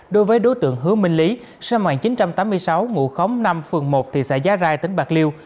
đối với đối tượng hữu minh lý sân hoàng chín trăm tám mươi sáu ngụ khống năm phường một thị xã giá rai tỉnh bạc liêu